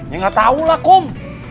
ya gak tahulah kum